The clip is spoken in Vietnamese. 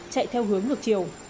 chạy theo hướng ngược chiều